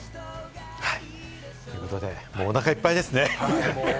ということで、もうおなかいっぱいですね。